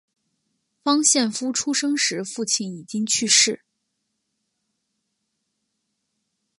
方献夫出生时父亲已经去世。